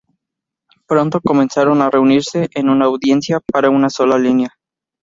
Pronto comenzaron a reunirse en una audiencia para una sola línea.